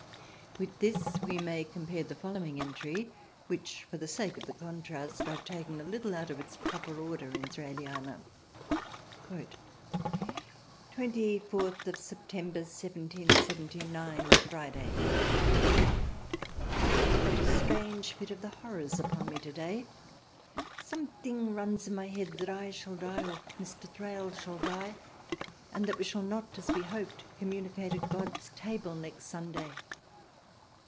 With this we may compare the following entry : which for the sake of the contrast I have taken a little out of its proper order in Thraliana. "24th September 1779. Friday. I have got a strange Fit of the Horrors upon me today, some thing runs in my head that I shall die or Mr. Thrale die and that we shall not, as we hoped, communicate at God's Table next Sunday.